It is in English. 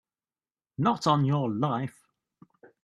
Not on your life!